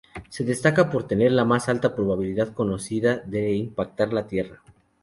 Se destaca por tener la más alta probabilidad conocida de impactar la Tierra.